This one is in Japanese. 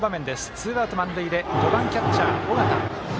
ツーアウト、満塁で５番、キャッチャー、尾形。